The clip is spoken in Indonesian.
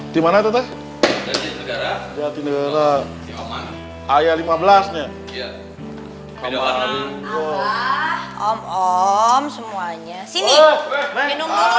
dan tetah helm batok dimana